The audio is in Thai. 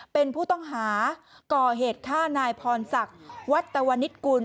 เป็นผู้ต้องหาก่อเหตุฆ่านายพรศักดิ์วัตวนิตกุล